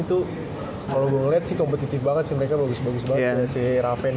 itu kalau gue ngeliat sih kompetitif banget sih mereka bagus bagus banget sih raven